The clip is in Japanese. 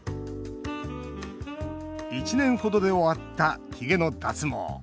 １年程で終わった、ひげの脱毛。